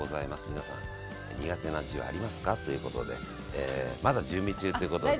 皆さん苦手な字はありますか？ということでまだ準備中ということで。